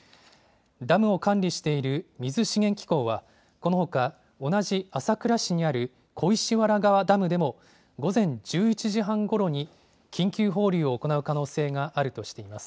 ダムを管理している水資源機構はこのほか同じ朝倉市にある小石原川ダムでも午前１１時半ごろに、緊急放流を行う可能性があるとしています。